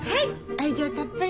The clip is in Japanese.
愛情たっぷりの。